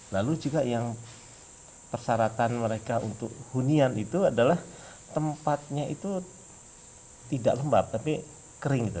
lalu juga yang persyaratan mereka untuk hunian itu adalah tempatnya itu tidak lembab tapi kering gitu